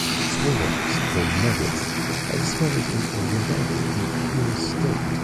Small lumps, called nuggets, are discovered in a remarkably pure state.